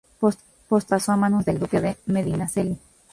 Posteriormente, pasó a manos del Duque de Medinaceli.